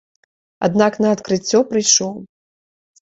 Аднак на адкрыццё прыйшоў.